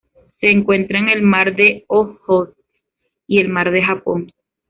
Se encuentra en el Mar de Ojotsk y el Mar de Japón.